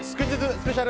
スペシャル。